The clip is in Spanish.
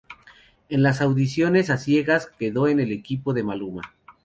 En las audiciones a ciegas quedó en el equipo de Maluma.